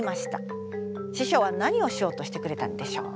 師匠はなにをしようとしてくれたんでしょうか？